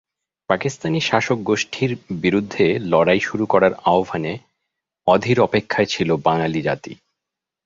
পাকিস্তানি শাসকগোষ্ঠীর বিরুদ্ধে লড়াই শুরু করার আহ্বানের অধীর অপেক্ষায় ছিল বাঙালি জাতি।